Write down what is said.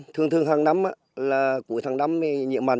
thường thường hàng năm là cuối tháng năm nhiễm mặn